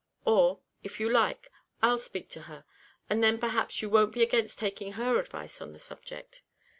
Or, if you like, I'll speak to her; and then, perhaps, you won't be against taking her advice on the subject.